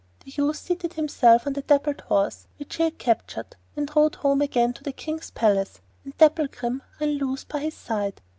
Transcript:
The youth seated himself on the dappled horse which he had captured, and rode home again to the King's palace, and Dapplegrim ran loose by his side.